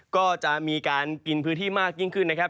ก็จะมีการกินพื้นที่มากยิ่งขึ้นนะครับ